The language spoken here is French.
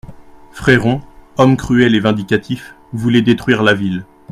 Fréron, homme cruel et vindicatif, voulait détruire la ville.